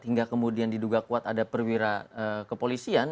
hingga kemudian diduga kuat ada perwira kepolisian